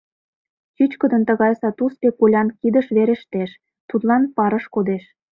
Чӱчкыдын тыгай сату спекулянт кидыш верештеш, тудлан парыш кодеш.